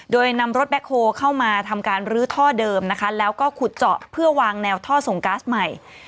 โดยนำรถแบ็คโฮลเข้ามาทำการรื้อท่อเดิมนะคะแล้วก็ขุดเจาะเพื่อวางแนวท่อส่งก๊าซใหม่